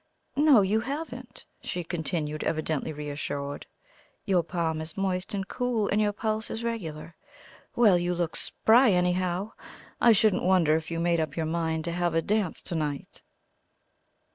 "No, you haven't," she continued, evidently reassured; "your palm is moist and cool, and your pulse is regular. Well, you look spry, anyhow. I shouldn't wonder if you made up your mind to have a dance to night."